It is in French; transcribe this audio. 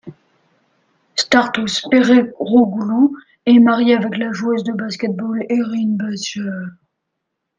Stratos Perpéroglou est marié avec la joueuse de basket-ball Erin Buescher.